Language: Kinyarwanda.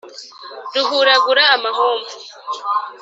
ruhuragura amahomvu